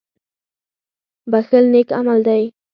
• بښل نېک عمل دی.